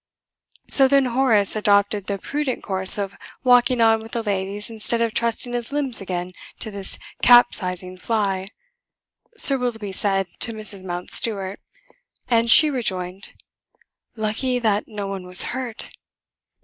"So then Horace adopted the prudent course of walking on with the ladies instead of trusting his limbs again to this capsizing fly," Sir Willoughby said to Mrs. Mountstuart; and she rejoined: "Lucky that no one was hurt."